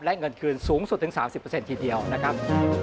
และเงินคืนสูงสุดถึง๓๐ทีเดียวนะครับ